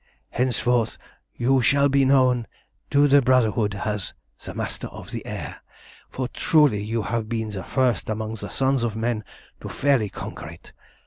Henceforth you shall be known to the Brotherhood as the Master of the Air, for truly you have been the first among the sons of men to fairly conquer it.